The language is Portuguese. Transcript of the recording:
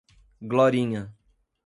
Glorinha